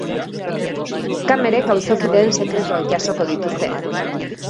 Kamerek auzokideen sekretuak jasoko dituzte.